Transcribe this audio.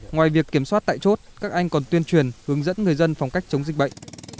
ngoài việc kiểm soát tại chốt các anh còn tuyên truyền hướng dẫn người dân phòng cách chống dịch bệnh